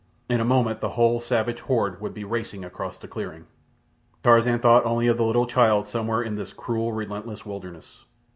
In a moment the whole savage horde would be racing across the clearing. Tarzan thought only of the little child somewhere in this cruel, relentless wilderness.